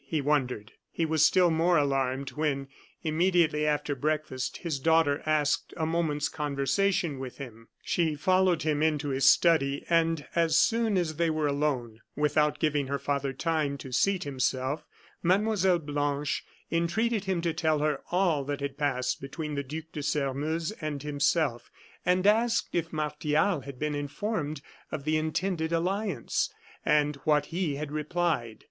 he wondered. He was still more alarmed when, immediately after breakfast, his daughter asked a moment's conversation with him. She followed him into his study, and as soon as they were alone, without giving her father time to seat himself, Mlle. Blanche entreated him to tell her all that had passed between the Duc de Sairmeuse and himself, and asked if Martial had been informed of the intended alliance, and what he had replied.